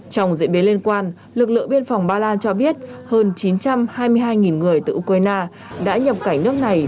trong diễn biến liên quan lực lượng biên phòng ba lan cho biết hơn chín trăm hai mươi hai người từ ukraine đã nhập cảnh nước này